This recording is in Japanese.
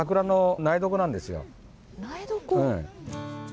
苗床。